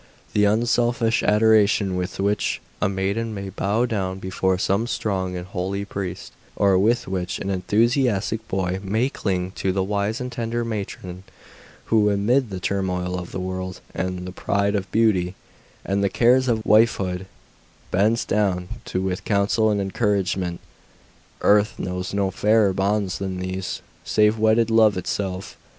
The unselfish adoration with which a maiden may bow down before some strong and holy priest, or with which an enthusiastic boy may cling to the wise and tender matron, who, amid the turmoil of the world, and the pride of beauty, and the cares of wifehood, bends down to with counsel and encouragement earth knows no fairer bonds than these, save wedded love itself.